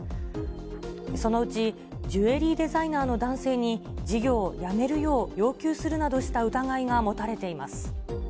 そのうちジュエリーデザイナーの男性に、事業をやめるよう要求するなどした疑いが持たれています。